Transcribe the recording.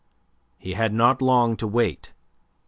He had not long to wait.